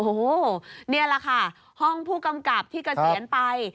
โอ้โหนี่แหละค่ะห้องผู้กำกับที่เกษียณไป